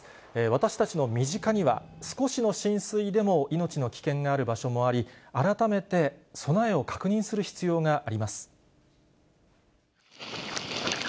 私たちの身近には、少しの浸水でも命の危険がある場所もあり、改めて備えを確認する必要があります。